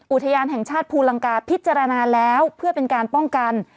อุทยานแห่งชาติภูลังกาพิจารณาแล้วเพื่อเป็นการป้องกัน